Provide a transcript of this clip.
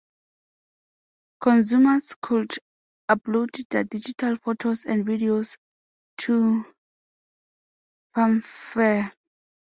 Consumers could upload their digital photos and videos to Phanfare.